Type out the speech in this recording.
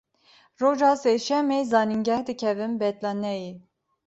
Roja sêşemê zanîngeh dikevin betlaneyê.